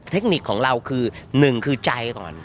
เทคนิคของเราคือหนึ่งคือใจก่อน